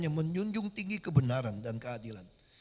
yang menjunjung tinggi kebenaran dan keadilan